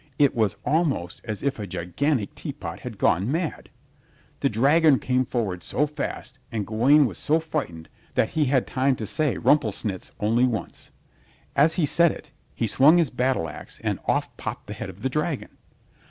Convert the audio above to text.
It was almost as if a gigantic teapot had gone mad. The dragon came forward so fast and Gawaine was so frightened that he had time to say "Rumplesnitz" only once. As he said it, he swung his battle ax and off popped the head of the dragon.